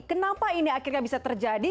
kenapa ini akhirnya bisa terjadi